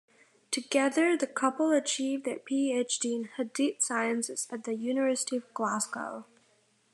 Together, the couple achieved their PhD in Hadeeth Sciences at the University of Glasgow.